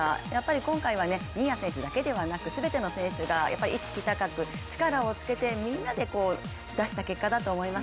今回は新谷選手だけではなく全ての選手が意識高く、力をつけてみんなで出した結果だと思います。